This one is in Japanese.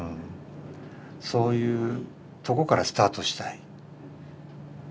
そういうとこからスタートしたい。